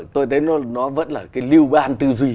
tôi thấy nó vẫn là cái lưu ban tư duy